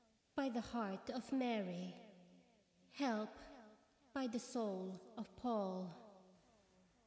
by the heart oj Mary! Help ! by the soul of Paul!